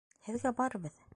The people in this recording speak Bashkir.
Һеҙгә барыбер!